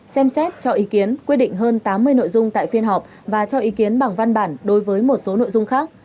xem xét cho ý kiến quyết định hơn tám mươi nội dung tại phiên họp và cho ý kiến bằng văn bản đối với một số nội dung khác